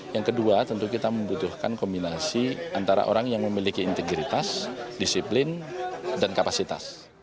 yang kedua tentu kita membutuhkan kombinasi antara orang yang memiliki integritas disiplin dan kapasitas